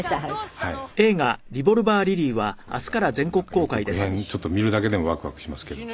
これがもう予告編ちょっと見るだけでもワクワクしますけど。